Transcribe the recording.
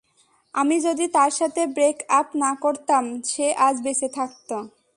আমি যদি তার সাথে ব্রেক-আপ না করতাম, সে আজ বেঁচে থাকত।